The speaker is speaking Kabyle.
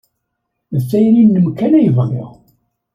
D tayri-nnem kan ay bɣiɣ.